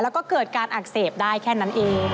แล้วก็เกิดการอักเสบได้แค่นั้นเอง